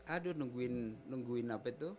aduh nungguin apa itu